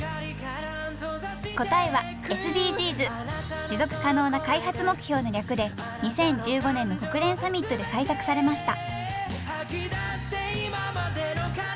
答えは持続可能な開発目標の略で２０１５年の国連サミットで採択されました。